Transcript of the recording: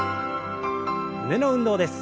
胸の運動です。